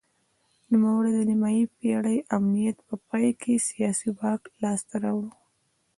نوموړي د نیمايي پېړۍ امنیت په پای کې سیاسي واک لاسته راوړ.